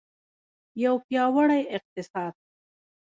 یو پیاوړی اقتصاد.